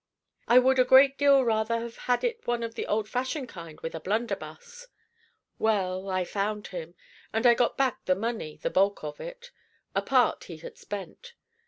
I would a great deal rather have had it one of the old fashioned kind with a blunderbuss. Well, I found him, and I got back the money the bulk of it. A part he had spent.